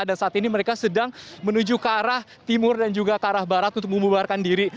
dan saat ini mereka sedang menuju ke arah timur dan juga ke arah barat untuk membubarkan diri